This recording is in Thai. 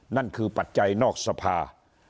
นั่นคือปัจจัยนอกสภา